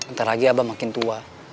ntar lagi abah makin tua